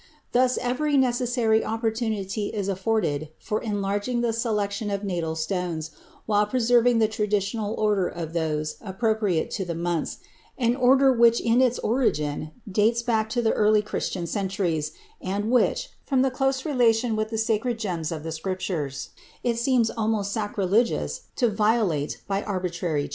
Thus, every necessary opportunity is afforded for enlarging the selection of natal stones while preserving the traditional order of those appropriate to the months, an order which in its origin dates back to the early Christian centuries and which, from the close relation with the sacred gems of the Scriptures, it seems almost sacrilegious to violate by arbitrary changes.